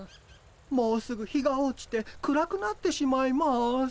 もうすぐ日が落ちて暗くなってしまいます。